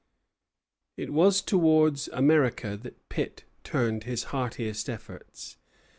It was towards America that Pitt turned his heartiest efforts.